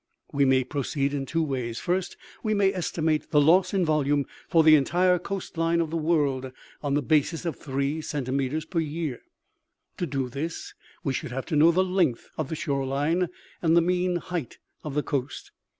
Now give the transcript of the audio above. " We may proceed in two ways : First, we may estimate the loss in volume for the entire coast line of the world, on the basis of three centimeters per year. To do this, we should have to know the length of the shore line and the mean height of the coast.